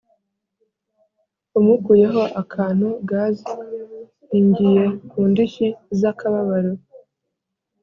umukuye ho akantu gas hingiye ku ndishyi z'akababaro